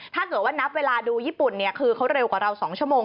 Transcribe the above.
ถ้าเกิดว่านับเวลาดูญี่ปุ่นคือเขาเร็วกว่าเรา๒ชั่วโมง